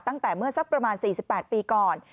ตั้งแต่เมื่อสักประมาณ๔๘ปีก่อน